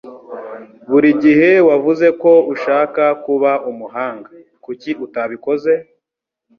Buri gihe wavuze ko ushaka kuba umuhanga. Kuki utabikoze?